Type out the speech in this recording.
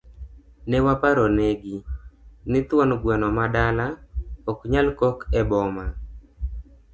Ne waparo negi, ni thuon gweno ma dala, ok nyal kok e boma.